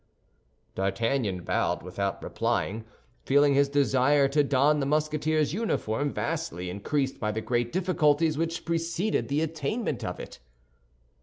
D'Artagnan bowed without replying, feeling his desire to don the Musketeer's uniform vastly increased by the great difficulties which preceded the attainment of it.